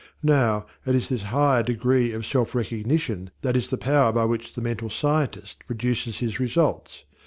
Now, it is this higher degree of self recognition that is the power by which the Mental Scientist produces his results.